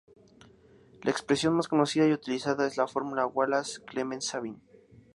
La expresión más conocida y utilizada es la fórmula de Wallace Clement Sabine.